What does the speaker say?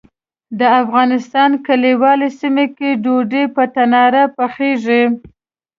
د افغانستان کلیوالي سیمو کې ډوډۍ په تناره کې پخیږي.